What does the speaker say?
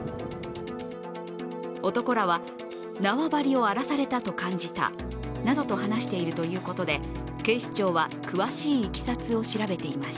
男らは、縄張りを荒らされたと感じたなどと話しているということで警視庁は詳しいいきさつを調べています。